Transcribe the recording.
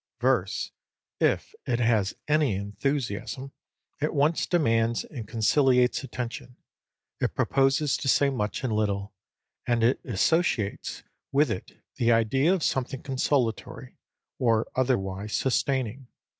Verse, if it has any enthusiasm, at once demands and conciliates attention; it proposes to say much in little; and it associates with it the idea of something consolatory, or otherwise sustaining.